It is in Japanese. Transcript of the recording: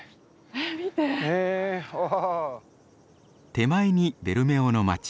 手前にベルメオの街。